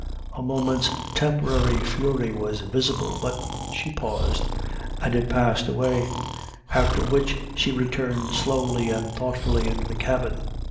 A moment's temporary fury was visible, but she paused, and it passed away; after which she returned slowly and thoughtfully into the cabin.